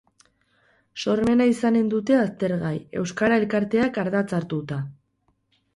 Sormena izanen dute aztergai, euskara elkarteak ardatz hartuta.